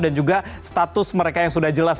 dan juga status mereka yang sudah jelas